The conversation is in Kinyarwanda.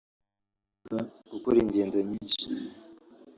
abasha gukora ingendo nyinshi